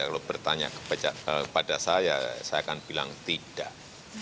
kalau bertanya kepada saya saya akan bilang tidak